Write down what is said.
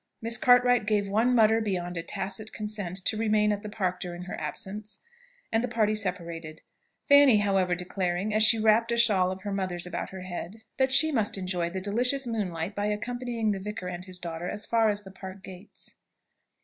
Miss Cartwright gave one mutter beyond a tacit consent to remain at the Park during her absence, and the party separated; Fanny however declaring, as she wrapped a shawl of her mother's about her head, that she must enjoy the delicious moonlight by accompanying the vicar and his daughter as far as the Park gates.